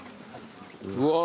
うわ。